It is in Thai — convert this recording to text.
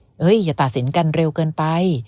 เฮ้ยอย่าตัดสินกันเร็วเกินไป